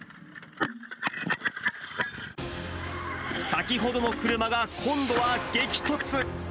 先ほどの車が今度は激突。